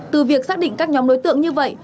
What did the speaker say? từ việc xác định các nhóm đối tượng như vậy